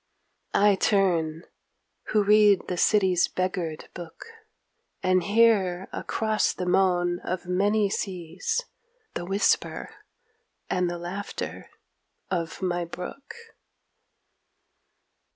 I turn who read the city's beggared book And hear across the moan of many seas The whisper and the laughter of my brook.